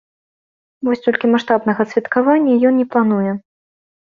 Вось толькі маштабнага святкавання ён не плануе.